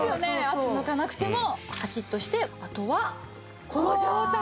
圧抜かなくてもカチッとしてあとはこの状態。